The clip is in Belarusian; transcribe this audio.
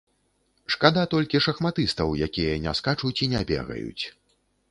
Шкада толькі шахматыстаў, якія не скачуць і не бегаюць.